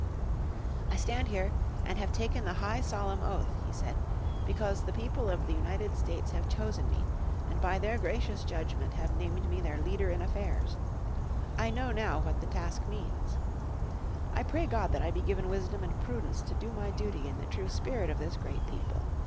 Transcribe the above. "I stand here, and have taken the high solemn oath," he said, "because the people of the United States have chosen me, and by their gracious judgement have named me their leader in affairs. I know now what the task means. "I pray God that I be given wisdom and prudence to do my duty in the true spirit of this great people.